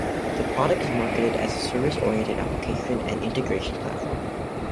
The product is marketed as a service-oriented application and integration platform.